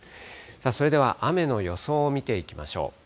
それでは雨の予想を見ていきましょう。